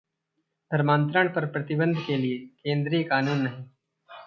धर्मातरण पर प्रतिबंध के लिए केन्द्रीय कानून नहीं